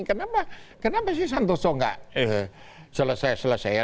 kenapa kenapa sih santoso nggak selesai selesai ya